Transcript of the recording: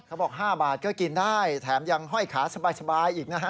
เขาบอก๕บาทก็กินได้แถมยังห้อยขาสบายอีกนะฮะ